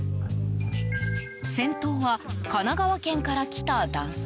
先頭は神奈川県から来た男性。